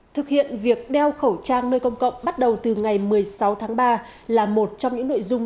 thực hiện việc đeo khẩu trang nơi công cộng bắt đầu từ ngày một mươi sáu tháng ba là một trong những nội dung